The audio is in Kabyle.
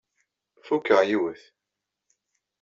Fukeɣ yiwet.